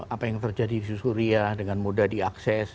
apa yang terjadi di suria dengan mudah diakses